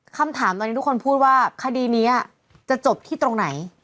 คำถามตอนนี้ทุกคนพูดว่าคดีนี้จะจบที่ตรงไหน